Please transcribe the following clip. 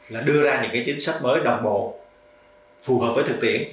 là đưa ra những cái chính sách mới đồng bộ phù hợp với thực tiễn